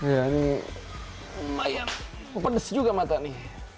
ya ini lumayan pedes juga mata ini